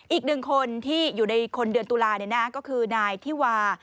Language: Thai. อีกหนึ่งคนที่อยู่ในคนเดือนตุลาก็คือนายที่วา